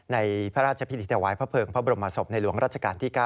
ในพระราชพิธีถวายพระเภิงพระบรมศพในหลวงรัชกาลที่๙